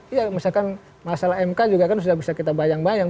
iya misalkan masalah mk juga kan sudah bisa kita bayang bayang